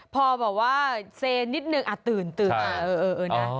พอบอกว่าเซนนิดนึงอะตื่นอะเออนะ